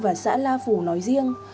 và xã na phủ nói riêng